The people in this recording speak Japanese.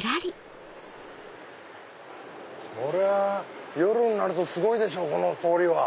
これは夜になるとすごいでしょこの通りは。